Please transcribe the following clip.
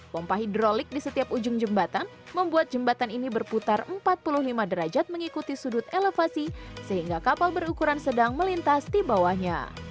pompa hidrolik di setiap ujung jembatan membuat jembatan ini berputar empat puluh lima derajat mengikuti sudut elevasi sehingga kapal berukuran sedang melintas di bawahnya